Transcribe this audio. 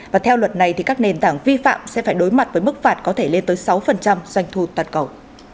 và theo luật này thì các nền tảng vi phạm sẽ phải đối mặt với mức phạt có thể lên tới sáu doanh thu toàn cầu